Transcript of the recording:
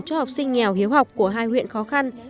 cho học sinh nghèo hiếu học của hai huyện khó khăn